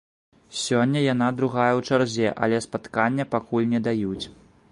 Сёння яна другая ў чарзе, але спаткання пакуль не даюць.